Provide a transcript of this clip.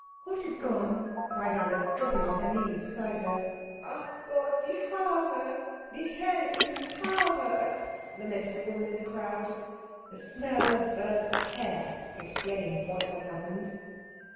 "What is gone?" cried Anna, dropping on her knees beside her. "Ach Gott, die Haare die herrlichen Haare!" lamented a woman in the crowd. The smell of burnt hair explained what had happened.